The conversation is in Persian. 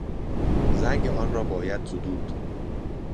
زنگ آنرا باید زدود